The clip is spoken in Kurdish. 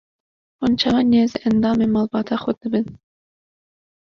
Hûn çawa nêzî endamên malbata xwe dibin?